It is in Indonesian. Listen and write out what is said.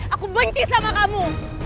aku benci sama kamu